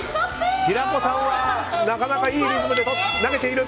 平子さんはなかなかいいリズムで投げている。